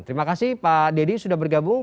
terima kasih pak dedy sudah bergabung